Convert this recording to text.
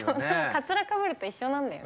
カツラかぶると一緒なんだよね。